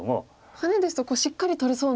ハネですとしっかり取れそうなイメージが。